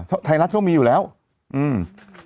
เพราะไทยรัฐก็มีอยู่แล้วอืม